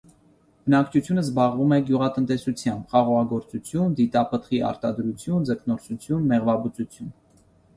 Բնակչությունը զբաղվում է գյուղատնտեսությամբ՝ խաղողագործություն, ձիթապտղի արտադրություն, ձկնորսություն, մեղվաբուծություն։